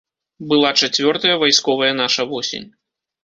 Была чацвёртая вайсковая наша восень.